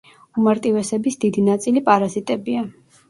უმარტივესების დიდი ნაწილი პარაზიტებია.